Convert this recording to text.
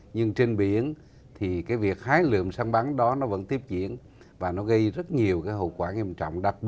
nhưng trên biển thì cái việc hái lượm săn bắn đó nó vẫn tiếp diễn và nó gây rất nhiều hỗn hợp